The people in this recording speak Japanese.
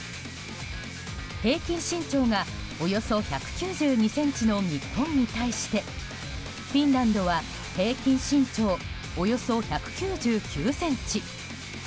平均身長がおよそ１９２ｃｍの日本に対してフィンランドは平均身長およそ１９９ｃｍ。